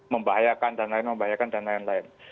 membahayakan dan lain lain